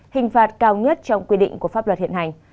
hình phạt cao nhất trong quy định của pháp luật hiện hành